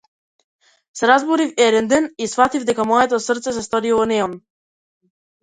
Се разбудив еден ден и сфатив дека моето срце се сторило неон.